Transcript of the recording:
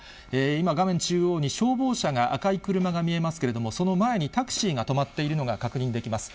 今、画面中央に消防車が、赤い車が見えますけれども、その前にタクシーが止まっているのが確認できます。